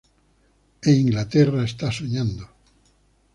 E Inglaterra está soñando.